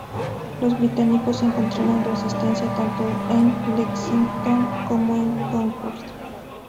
Los británicos encontraron resistencia tanto en Lexington como en Concord.